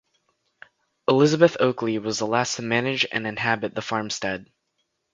Elizabeth Oakley was the last to manage and inhabit the farmstead.